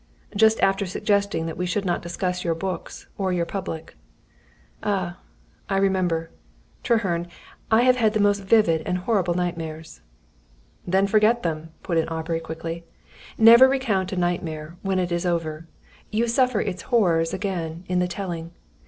"Just after suggesting that we should not discuss your books or your public." "Ah, I remember! Treherne, I have had the most vivid and horrid nightmares." "Then forget them," put in Aubrey, quickly. "Never recount a nightmare, when it is over. You suffer all its horrors again, in the telling.